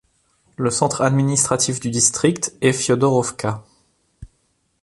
Le centre administratif du district est Fyodorovka.